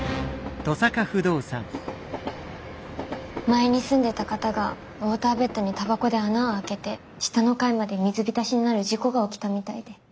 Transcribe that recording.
前に住んでた方がウォーターベッドにタバコで穴を開けて下の階まで水浸しになる事故が起きたみたいで。